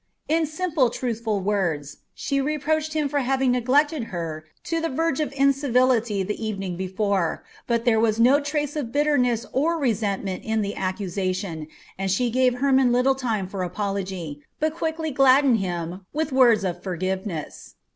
In simple, truthful words she reproached him for having neglected her to the verge of incivility the evening before, but there was no trace of bitterness or resentment in the accusation, and she gave Hermon little time for apology, but quickly gladdened him with words of forgiveness.